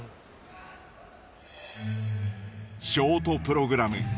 ショートプログラム。